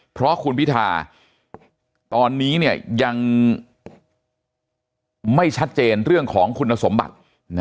เพราะคุณพิธาตอนนี้ยังไม่ชัดเจนเรื่องของคุณสมบัติ